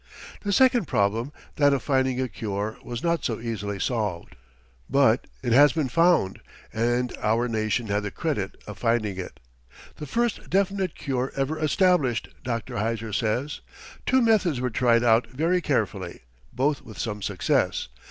The second problem, that of finding a cure, was not so easily solved. But it has been found, and our nation had the credit of finding it "the first definite cure ever established," Dr. Heiser says. Two methods were tried out very carefully, both with some success.